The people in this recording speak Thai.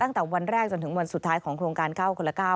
ตั้งแต่วันแรกจนถึงวันสุดท้ายของโครงการ๙คนละ๙